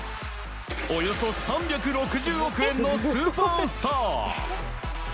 およそ３６０億円のスーパースター。